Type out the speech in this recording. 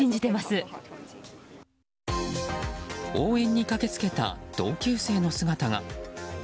応援に駆け付けた同級生の姿が。